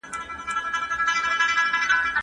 ماشوم د کلا په لور په ډېر سرعت منډه کړه.